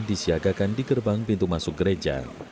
disiagakan di gerbang pintu masuk gereja